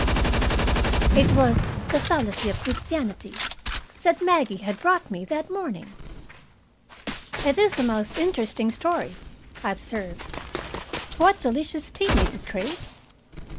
It was "The Fallacy of Christianity" that Maggie had brought me that morning. "It is a most interesting story," I observed. "What delicious tea, Mrs. Graves!